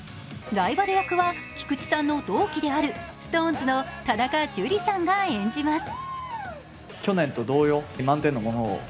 ライバル役は菊池さんの同期であるＳｉｘＴＯＮＥＳの田中樹さんが演じます。